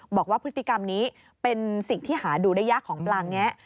บอกว่าพฤติกรรมนี้เป็นสิ่งที่หาดูได้ยากของปลาแงะ